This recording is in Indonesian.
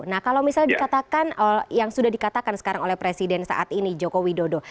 nah kalau misalnya dikatakan yang sudah dikatakan sekarang oleh presiden saat ini joko widodo